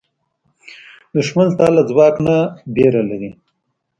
دښمن ستا له ځواک نه وېره لري